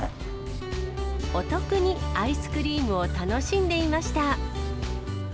お得にアイスクリームを楽しんでいました。